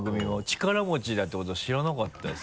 力持ちだってことを知らなかったです。